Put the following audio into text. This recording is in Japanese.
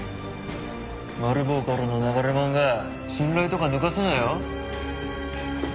マル暴からの流れもんが信頼とか抜かすなよ？